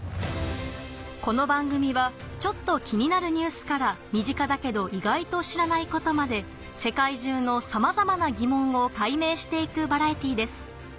この番組はちょっと気になるニュースから身近だけど意外と知らないことまで世界中のさまざまな疑問を解明して行くバラエティです